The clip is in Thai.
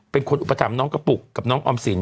อุปถัมภ์น้องกระปุกกับน้องออมสิน